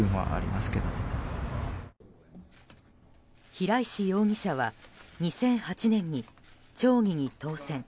平石容疑者は２００８年に町議に当選。